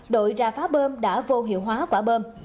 đội ra phá bơm đã vô hiệu hóa quả bom